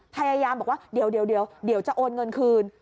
พยายามบอกว่าเดี๋ยวจะโอนเงินคืน